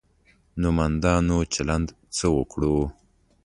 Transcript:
نومندانو چلند څه وکړو.